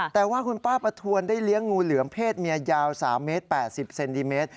แต่ว่าคุณป้าประทวนได้เลี้ยงงูเหลือมเพศเมียยาว๓เมตร๘๐เซนติเมตร